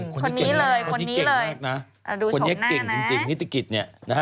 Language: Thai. คนนี้เลยคนนี้เก่งมากนะดูโฉมหน้านะคนนี้เก่งจริงนิติกฤตเนี่ย